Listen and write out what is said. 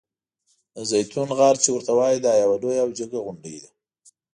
د زیتون غر چې ورته وایي دا یوه لویه او جګه غونډۍ ده.